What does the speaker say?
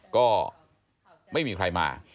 ก็ไม่มีใครมา